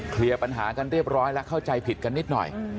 เคลียร์ปัญหากันเรียบร้อยแล้วเข้าใจผิดกันนิดหน่อย